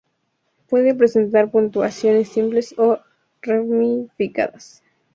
Puede presentar puntuaciones simples o ramificadas.